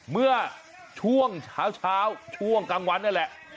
เมื่อช่วงเช้าช่วงกลางวันนั่นแหละ